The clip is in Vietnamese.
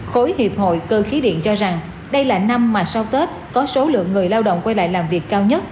khối hiệp hội cơ khí điện cho rằng đây là năm mà sau tết có số lượng người lao động quay lại làm việc cao nhất